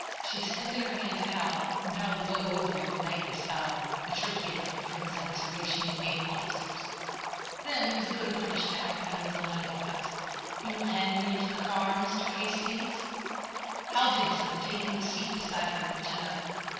She extended her hand to Hal, who bowed low over it in knightly style a trick he had caught from his observation of naval officers. Then, as though to punish Jack, Mlle. Nadiboff asked: "You will hand me into the car, Mr. Hastings?" Hal did so, taking the seat beside her in the tonneau.